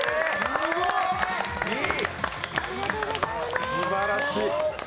すばらしい。